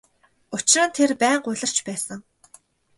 Учир нь тэр байнга улирч байсан.